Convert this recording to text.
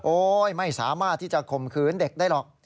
ไม่สามารถที่จะข่มขืนเด็กได้หรอก